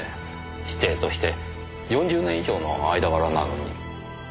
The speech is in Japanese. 師弟として４０年以上の間柄なのに。